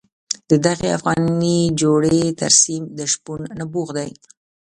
د دغې افغاني جولې ترسیم د شپون نبوغ دی.